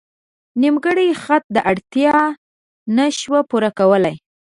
نیمګړی خط دا اړتیا نه شو پوره کولی.